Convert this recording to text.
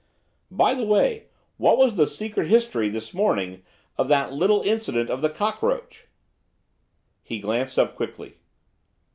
'By the way, what was the secret history, this morning, of that little incident of the cockroach?' He glanced up quickly.